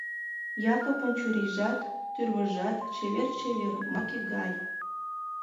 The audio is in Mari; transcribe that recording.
Якыпын чурийжат, тӱрвыжат чевер-чевер, маке гай.